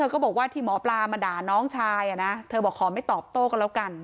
ก็บอกว่าที่หมอปลามาด่าน้องชายเธอบอกขอไม่ตอบโต้กันแล้วกัน